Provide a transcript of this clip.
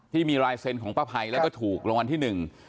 ที่มีลายเซ็นคอร์ฟพะไพยแล้วทุกระหวังที่หนึ่ง